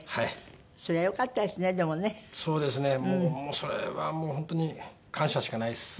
それはもう本当に感謝しかないです。